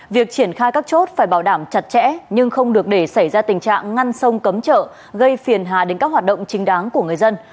việc triển khai các chốt phải bảo đảm chặt chẽ nhưng không được để xảy ra tình trạng ngăn sông cấm chợ gây phiền hà đến các hoạt động chính đáng của người dân